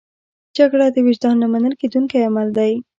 جګړه د وجدان نه منل کېدونکی عمل دی